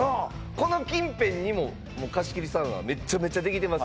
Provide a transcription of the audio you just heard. この近辺にも貸切サウナはめっちゃめちゃできてます